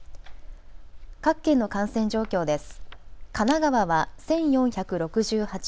各県の感染状況です。